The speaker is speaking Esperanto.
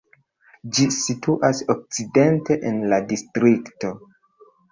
Ĝi situas okcidente en la distrikto.